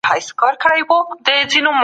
قومي مشران خپلواکي سیاسي پریکړي نه سي کولای.